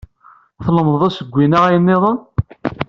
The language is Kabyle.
Tlemdeḍ asewwi neɣ ayen nniḍen?